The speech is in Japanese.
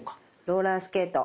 ローラースケート。